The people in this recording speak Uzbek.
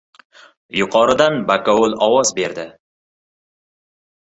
Yuqoridan bakovul ovoz berdi.